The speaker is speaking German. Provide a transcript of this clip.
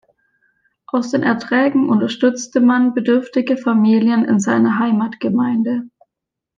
Aus den Erträgen unterstützte man bedürftige Familien in seiner Heimatgemeinde.